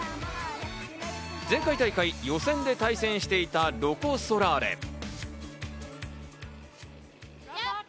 前回大会予選で対戦していたロコ・ソラーレ。